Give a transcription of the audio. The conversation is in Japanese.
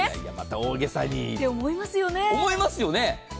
大げさと思いますよね？